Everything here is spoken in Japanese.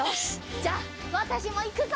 じゃあわたしもいくぞ！